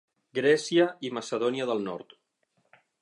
Grècia i Macedònia del Nord.